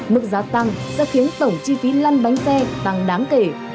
mức giá tăng sẽ khiến tổng chi phí lăn bánh xe tăng đáng kể